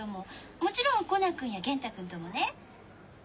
もちろんコナンくんや元太くんともね。